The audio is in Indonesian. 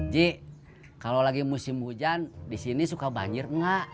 ji kalau lagi musim hujan disini suka banjir nggak